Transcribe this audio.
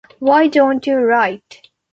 Why don't you write?